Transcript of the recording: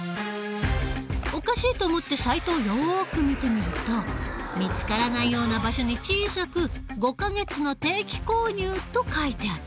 おかしいと思ってサイトをよく見てみると見つからないような場所に小さく５か月の定期購入と書いてあった。